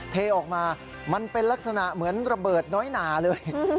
เทออกมามันเป็นลักษณะเหมือนระเบิดน้อยหนาเลย